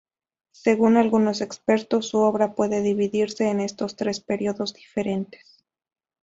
Según algunos expertos, su obra puede dividirse en estos tres periodos diferentes.